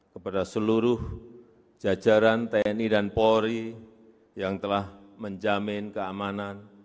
kepada seluruh jajaran tni dan polri yang telah menjamin keamanan